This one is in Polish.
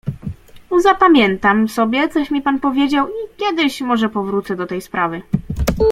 "Zapamiętam sobie, coś mi pan powiedział i kiedyś może powrócę do tej sprawy."